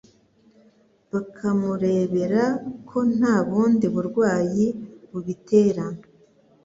bakamurebera ko nta bundi burwayi bubitera.